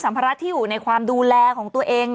ภาระที่อยู่ในความดูแลของตัวเอง